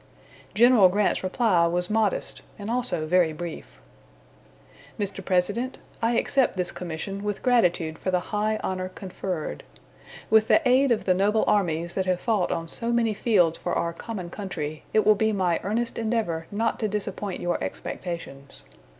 General Grant's reply was modest and also very brief: "Mr. President, I accept this commission with gratitude for the high honor conferred. With the aid of the noble armies that have fought on so many fields for our common country, it will be my earnest endeavor not to disappoint your expectations.